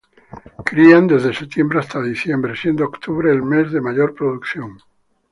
Crían desde septiembre hasta diciembre, siendo octubre el mes de mayor producción.